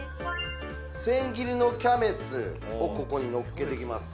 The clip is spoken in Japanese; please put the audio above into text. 千切りのキャベツをここにのっけていきます